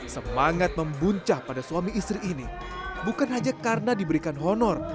semangat membuncah pada suami istri ini bukan hanya karena diberikan honor